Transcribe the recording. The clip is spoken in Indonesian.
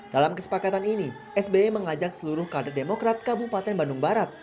dalam kesepakatan ini sby mengajak seluruh kader demokrat kabupaten bandung barat